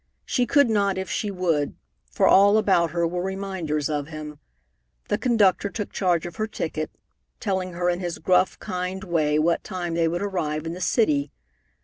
She could not if she would, for all about her were reminders of him. The conductor took charge of her ticket, telling her in his gruff, kind way what time they would arrive in the city.